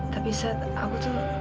tapi saat aku tuh